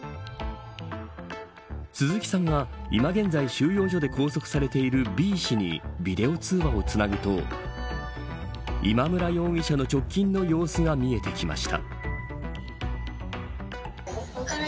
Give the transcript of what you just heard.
鈴木さんが、今現在収容所で拘束されているＢ氏にビデオ通話をつなぐと今村容疑者の直近の様子が見えてきました。